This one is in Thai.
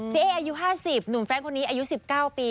เอ๊อายุ๕๐หนุ่มแร้งคนนี้อายุ๑๙ปี